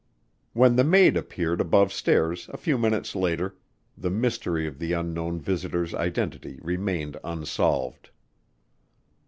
When the maid appeared above stairs a few minutes later the mystery of the unknown visitor's identity remained unsolved.